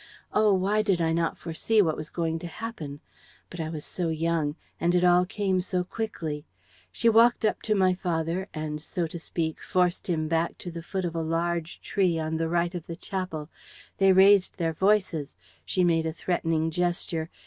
Oh, why did I not foresee what was going to happen? ... But I was so young! And it all came so quickly! ... She walked up to my father and, so to speak, forced him back to the foot of a large tree, on the right of the chapel. They raised their voices. She made a threatening gesture.